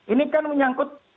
ini kan menyangkut